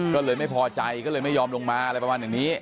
ก็เลยไม่พอใจก็เลยไม่ยอมลงมาอะไรประมาณอย่างนี้